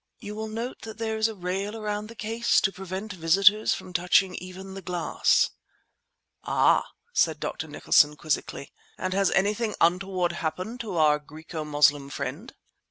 "You will note that there is a rail around the case, to prevent visitors from touching even the glass." "Ah," said Dr. Nicholson quizzically, "And has anything untoward happened to our Graeco Moslem friend?"